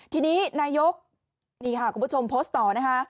ทีนี้นายกคุณผู้ชมโพสต์ต่อ